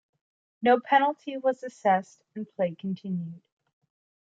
No penalty was assessed, and play continued.